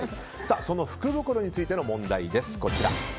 その福袋についての問題です。